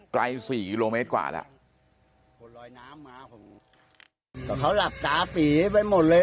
ไกลสี่กิโลเมตรกว่าแล้วคนลอยน้ำมาผมก็เขาหลับตาปีไปหมดเลย